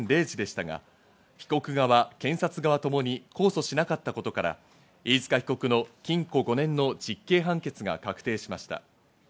判決の控訴期限は今日午前０時でしたが、被告側、検察側ともに控訴しなかったことから、飯塚被告の禁錮５年の実刑判決が確定しました。